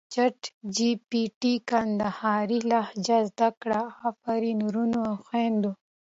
چټ جې پې ټې کندهارې لهجه زده کړه افرین ورونو او خویندو!